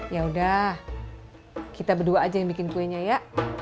yaudah kita berdua aja yang bikin kuenya ya